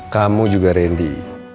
kamu juga rendy